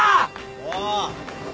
おう。